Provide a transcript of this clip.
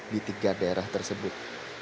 di tiga daerah tersebut